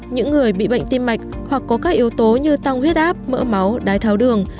những người bị bệnh tim mạch hoặc có các yếu tố như tăng huyết áp mỡ máu đái tháo đường